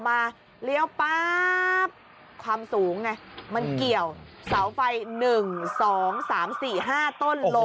เลี้ยวป๊าบความสูงไงมันเกี่ยวเสาไฟ๑๒๓๔๕ต้นลม